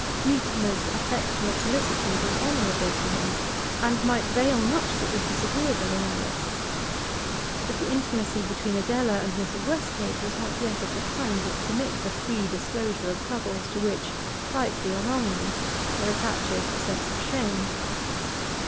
Mutimer's affectionate solicitude was honourable to him, and might veil much that was disagreeable in Alice. But the intimacy between Adela and Mrs. Westlake was not yet of the kind which permits a free disclosure of troubles to which, rightly or wrongly, there attaches a sense of shame.